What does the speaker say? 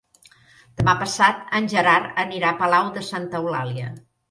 Demà passat en Gerard anirà a Palau de Santa Eulàlia.